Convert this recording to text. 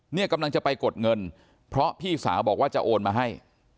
เนี่ยกำลังจะไปกดเงินเพราะพี่สาวบอกว่าจะโอนมาให้